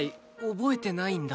覚えてないんだ。